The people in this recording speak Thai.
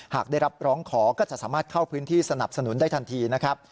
หากได้รับร้องขอก็จะสามารถเข้าพื้นที่สนับสนุนได้ทันทีนะครับ